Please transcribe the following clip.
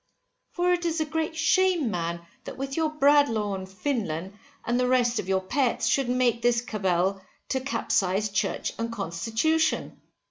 For it is a great shame man, that with Bradlaugh and Finlen, and the rest of your Pets, should make this cabal, to capsize church and constitution.